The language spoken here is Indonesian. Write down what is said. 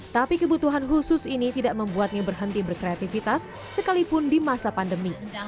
tapi kebutuhan khusus ini tidak membuatnya berhenti berkreativitas sekalipun di masa pandemi